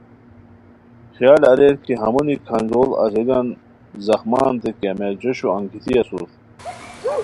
خیال اریر کی ہمونی کھانجوڑ اژیلیان زخمانتے کیمیا جوشو انگیتی اسور